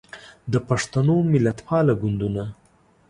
د پښتنو ملتپاله ګوندونه